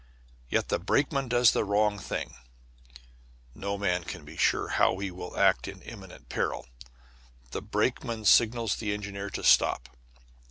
Yet the brakeman does the wrong thing (no man can be sure how he will act in imminent peril); the brakeman signals the engineer to stop.